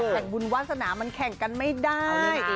่งบุญวาสนามันแข่งกันไม่ได้